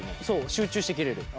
集中して切れる。